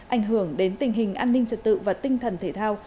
ảnh hưởng đến tình hình an ninh trật tự và tinh thần thể thao